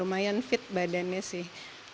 lumayan fit badannya sih